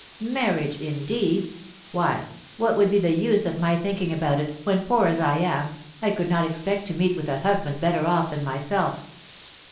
"Marriage, indeed! Why, what would be the use of my thinking about it, when, poor as I am, I could not expect to meet with a husband better off than myself?